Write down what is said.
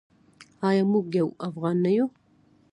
آیا موږ یو افغان نه یو؟